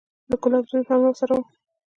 د ګلاب زوى هم راسره و.